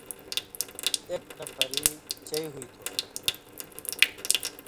اېک نہ پھری چئ ہُوئ تُھو